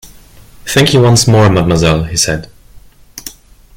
"Thank you once more, mademoiselle," he said.